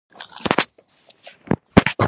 اقلیم د افغانستان د طبیعت د ښکلا برخه ده.